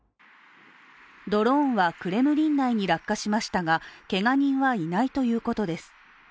ドローンはクレムリン内に落下しましたがけが人はいないということです。